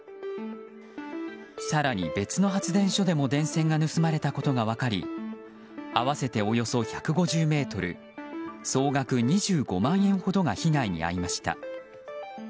更に別の発電所でも電線が盗まれたことが分かり合わせておよそ１５０ｍ総額２５万円ほどが被害に遭いました。